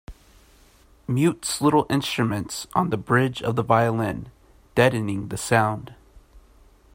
Mutes little instruments on the bridge of the violin, deadening the sound.